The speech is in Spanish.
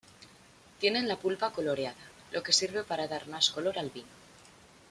Tienen la pulpa coloreada, lo que sirve para dar más color al vino.